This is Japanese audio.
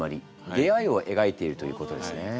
出逢いを描いているということですね。